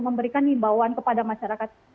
memberikan imbauan kepada masyarakat